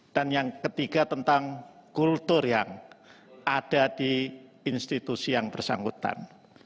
dan yang ketiga tentang kultur yang ada di institusi yang bersangkutan